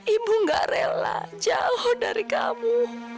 ibu gak rela jauh dari kamu